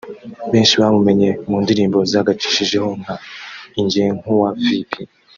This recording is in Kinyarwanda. Benshi bamumenye mu ndirimbo zagacishijeho nka ‘Ingekuwa Vipi’